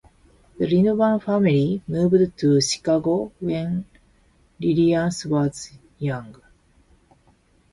The Lidman family moved to Chicago when Lillian was young.